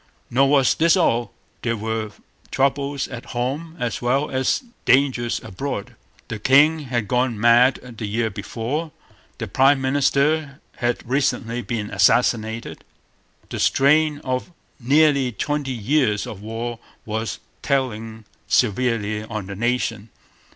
Nor was this all. There were troubles at home as well as dangers abroad. The king had gone mad the year before. The prime minister had recently been assassinated. The strain of nearly twenty years of war was telling severely on the nation.